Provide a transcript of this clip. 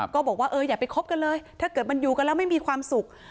ก็บอกว่าเอออย่าไปคบกันเลยถ้าเกิดมันอยู่กันแล้วไม่มีความสุข